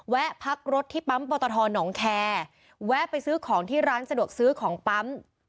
พักรถที่ปั๊มปตทหนองแคร์แวะไปซื้อของที่ร้านสะดวกซื้อของปั๊ม